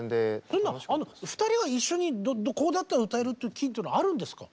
変な話２人が一緒にここだったら歌えるっていうキーっていうのはあるんですか？